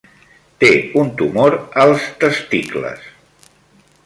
Té un tumor als testicles.